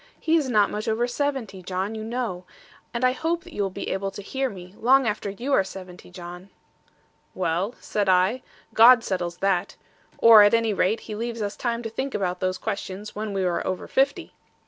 he is not much over seventy, John, you know; and I hope that you will be able to hear me, long after you are seventy, John.' 'Well,' said I, 'God settles that. Or at any rate, He leaves us time to think about those questions, when we are over fifty.